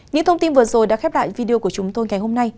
những thông tin vừa rồi đã khép lại video của chúng tôi ngày hôm nay